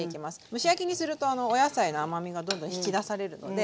蒸し焼きにするとお野菜の甘みがどんどん引き出されるので。